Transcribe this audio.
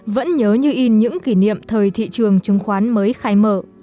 vẫn nhớ như in những kỷ niệm thời thị trường chứng khoán mới khai mở